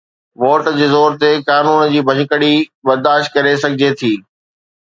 Vote جي زور تي قانون جي ڀڃڪڙي برداشت ڪري سگهجي ٿي.